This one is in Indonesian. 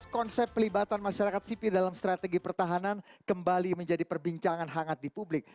konsep pelibatan masyarakat sipil dalam strategi pertahanan kembali menjadi perbincangan hangat di publik